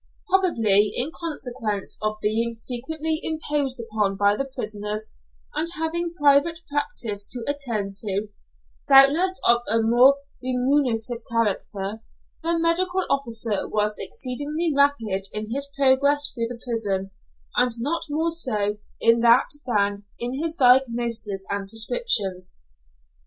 Probably, in consequence of being frequently imposed upon by the prisoners, and having private practice to attend to, doubtless of a more remunerative character, the medical officer was exceedingly rapid in his progress through the prison, and not more so in that than in his diagnosis and prescriptions.